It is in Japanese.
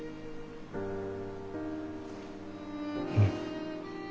うん。